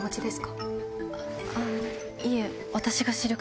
いえ。